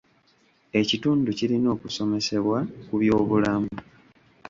Ekitundu kirina okusomesebwa ku byobulamu.